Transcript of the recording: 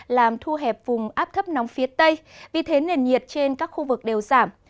làm thu hẹp vùng áp thấp nóng phía tây vì thế nền nhiệt trên các khu vực đều giảm